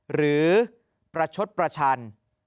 หรือประชดประชัน